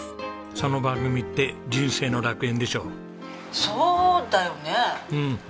その番組って『人生の楽園』でしょう？そうだよね？